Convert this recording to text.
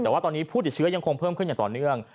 แต่ว่าตอนนี้ผู้ติดเชื้อยังคงเพิ่มขึ้นอย่างต่อเนื่อง